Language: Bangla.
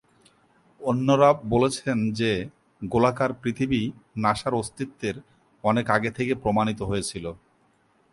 অন্যরা বলছেন যে, গোলাকার পৃথিবী নাসার অস্তিত্বের অনেক আগে থেকেই প্রমাণিত হয়েছিল।